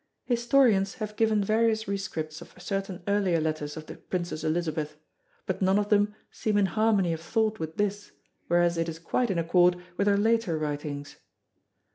Historians have given various rescripts of certain earlier letters of the Princess Elizabeth, but none of them seem in harmony of thought with this, whereas it is quite in accord with her later writings.